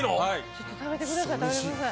ちょっと食べてください食べてください。